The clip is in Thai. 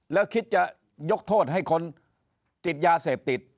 แล้วคิดจะยกโทษให้คนติดยาเสพติด